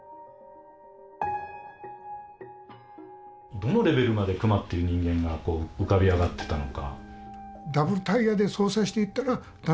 どのレベルまで久間っていう人間が浮かび上がってたのか。